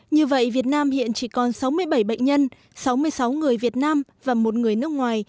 như vậy việt nam hiện chỉ còn sáu mươi bảy bệnh nhân sáu mươi sáu người việt nam và một người nước ngoài